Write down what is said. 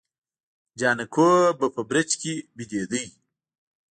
جانکو به په برج کې ويدېده.